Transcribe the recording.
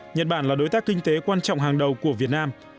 nhật bản là đối tác kinh tế quan trọng hàng đầu của việt nam